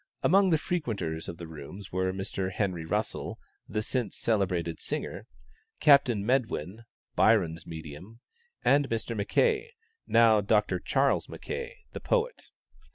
Amongst the frequenters of the rooms were Mr. Henry Russell, the since celebrated singer; Captain Medwin (Byron's medium), and Mr. Mackay, now Dr. Charles Mackay, the poet.